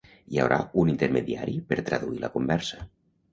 Hi haurà un intermediari per traduir la conversa.